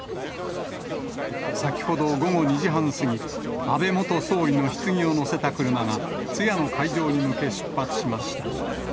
先ほど午後２時半過ぎ、安倍元総理のひつぎを乗せた車が通夜の会場に向け、出発しました。